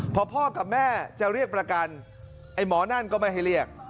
พอพ่อกับแม่จะเรียกประกันไอ้หมอนั่นก็ไม่ให้เรียก